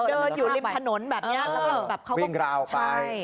เดินอยู่ริมถนนแบบเนี้ยเออเออแบบเขาก็วิ่งราวไปใช่